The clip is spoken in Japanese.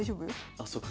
あそっか。